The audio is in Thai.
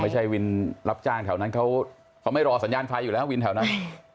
วินรับจ้างแถวนั้นเขาไม่รอสัญญาณไฟอยู่แล้ววินแถวนั้น